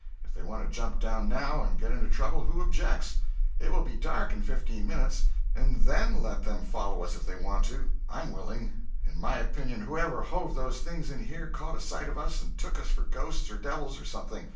If they want to jump down, now, and get into trouble, who objects? It will be dark in fifteen minutes—and then let them follow us if they want to. I'm willing. In my opinion, whoever hove those things in here caught a sight of us and took us for ghosts or devils or something.